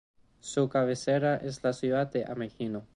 Su cabecera es la ciudad de Ameghino.